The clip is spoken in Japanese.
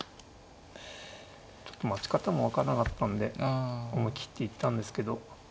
ちょっと待ち方も分からなかったんで思い切って行ったんですけど。